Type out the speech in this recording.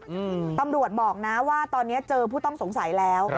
อืมตำรวจบอกนะว่าตอนนี้เจอผู้ต้องสงสัยแล้วครับ